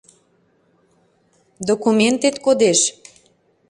Документет кодеш.